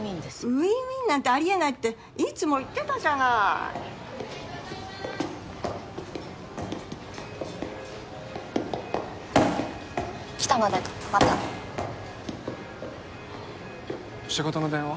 ウィンウィンなんてありえないっていつも言ってたじゃない来たのでまた仕事の電話？